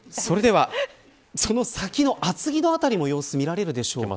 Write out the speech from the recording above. それでは、その先の厚木の辺りも様子見られるでしょうか。